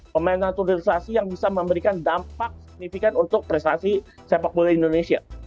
pemain naturalisasi yang bisa memberikan dampak signifikan untuk prestasi sepak bola indonesia